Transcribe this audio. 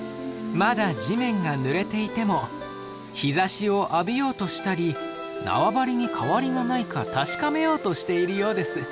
まだ地面がぬれていても日ざしを浴びようとしたり縄張りに変わりがないか確かめようとしているようです。